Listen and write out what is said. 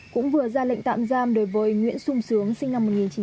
cũng vừa ra lệnh tạm giam đối với nguyễn sung sướng sinh năm một nghìn chín trăm tám mươi